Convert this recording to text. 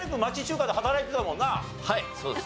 はいそうです。